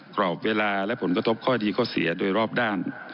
กรอบเวลาและผลกระทบข้อดีข้อเสียโดยรอบด้าน